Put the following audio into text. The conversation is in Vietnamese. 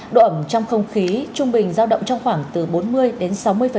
độ ẩm trong không khí trung bình giao động trong khoảng từ bốn mươi đến sáu mươi